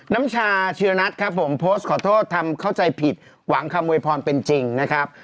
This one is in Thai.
น้ำชาเชื้อนัทครับผมโพสต์ขอโทษทำเข้าใจผิดหวังคำโวยพรเป็นจริงนะครับ